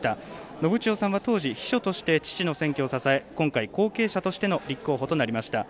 信千世さんは当時、秘書として父の選挙を支え今回、後継者となりました。